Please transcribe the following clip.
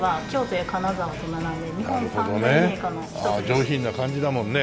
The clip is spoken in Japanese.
上品な感じだもんね。